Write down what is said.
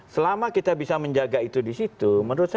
selama kita bisa menjaga itu di situ menurut saya